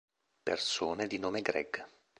Persone di nome Greg